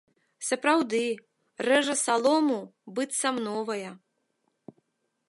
Сапраўды, рэжа салому, быццам новая.